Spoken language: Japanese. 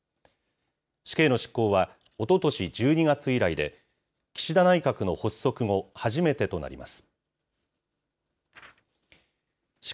死刑の執行は、おととし１２月以来で、岸田内閣の発足後、初めてとなります。